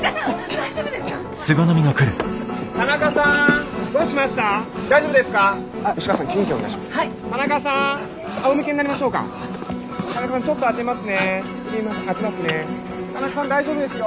大丈夫ですよ